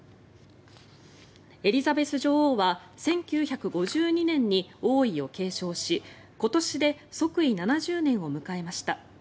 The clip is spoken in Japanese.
エリザベス女王は１９５２年に王位を継承し今年で即位７０年を迎えました。